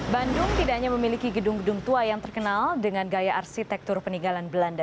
bandung tidak hanya memiliki gedung gedung tua yang terkenal dengan gaya arsitektur peninggalan belanda